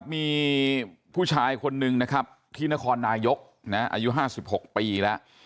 มีผู้ชายคนนึงนะครับที่นครนายกอายุ๕๖ปีแล้ว